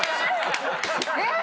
えっ！